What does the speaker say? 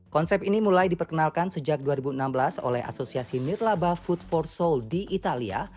konsep ini mulai diperkenalkan sejak dua ribu enam belas oleh asosiasi mirlaba food for soul di italia